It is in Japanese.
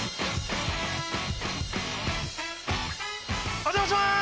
お邪魔しまーす！